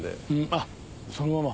あっそのまま。